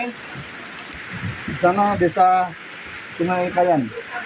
di sana desa sungai kayan